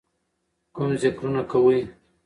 کوم ذِکرونه کوئ،